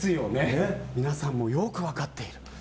皆さんもよく分かってる。